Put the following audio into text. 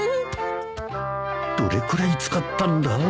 どれくらい使ったんだ？